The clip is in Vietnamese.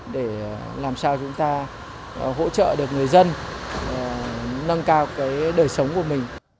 để làm sao chúng ta hỗ trợ được người dân nâng cao đời sống của mình